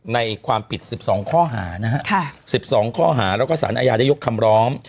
ในความผิด๑๒ข้อหานะฮะ๑๒ข้อหาแล้วก็สารอาญาได้ยกคำร้อง